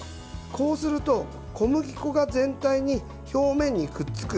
こうすると、小麦粉が全体に表面にくっつく。